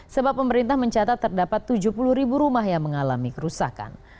sebab pemerintah mencatat terdapat tujuh puluh ribu rumah yang mengalami kerusakan